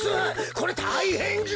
こりゃたいへんじゃ！